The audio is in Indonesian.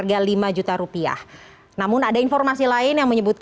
jadi itu harus dipercaya dulu